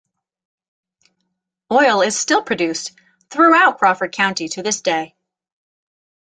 Oil is still produced throughout Crawford County to this day.